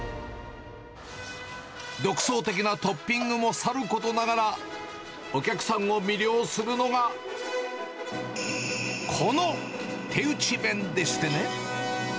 独創的なトッピングもさることながら、お客さんを魅了するのが、この手打ち麺でしてね。